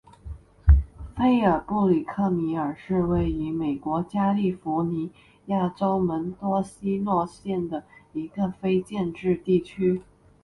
菲尔布里克米尔是位于美国加利福尼亚州门多西诺县的一个非建制地区。